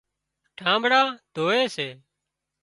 ٺانٻڙان ڌووي سي۔